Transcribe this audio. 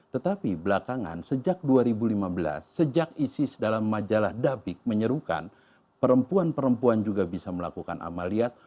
tetapi belakangan sejak dua ribu lima belas sejak isis dalam majalah dabik menyerukan perempuan perempuan juga bisa melakukan amaliyah